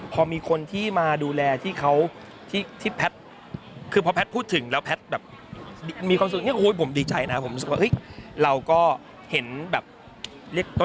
พอมีคนที่มาดูแลที่แพ็ทต์พูดถึงแล้วแพ็ตต์ดูแลดีว่าโห้ยผมดีใจนะไม่มีความสุขนะ